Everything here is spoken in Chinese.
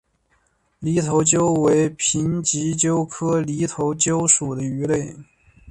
犁头鳅为平鳍鳅科犁头鳅属的鱼类。